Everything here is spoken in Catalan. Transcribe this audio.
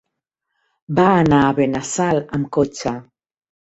Va anar a Benassal amb cotxe.